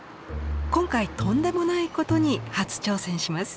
今回とんでもないことに初挑戦します。